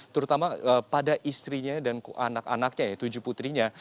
pertama pada istrinya dan anak anaknya tujuh putrinya